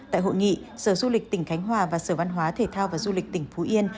tại hội nghị sở du lịch tỉnh khánh hòa và sở văn hóa thể thao và du lịch tỉnh phú yên